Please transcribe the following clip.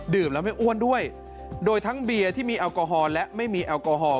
แล้วไม่อ้วนด้วยโดยทั้งเบียร์ที่มีแอลกอฮอลและไม่มีแอลกอฮอล